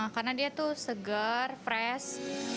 karena dia tuh segar fresh